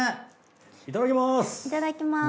いただきます。